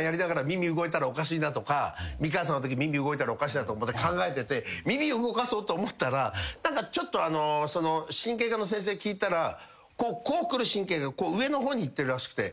やりながら耳動いたらおかしいなとか美川さんのとき耳動いたらおかしいなと思って考えてて耳動かそうと思ったら神経科の先生に聞いたらこう来る神経が上の方に行ってるらしくて。